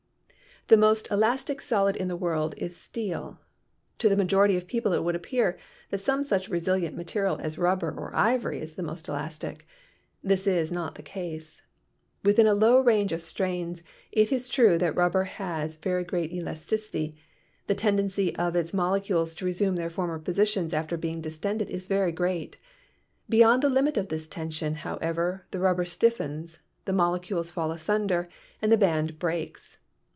The most elastic solid in the world is steel. To the majority of people it would appear that some such resilient material as rubber or ivory is the most elastic. This is not the case. Within a low range of strains it is true that rubber has very great elasticity; the tendency of its mole cules to resume their former positions after being distended is very great. Beyond the limit of this tension, however, the rubber stiffens, the molecules fall asunder and the band breaks.